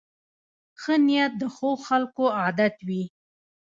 ښه نیت د ښو خلکو عادت وي.